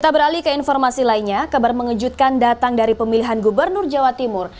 kita beralih ke informasi lainnya kabar mengejutkan datang dari pemilihan gubernur jawa timur